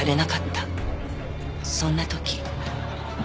そんな時。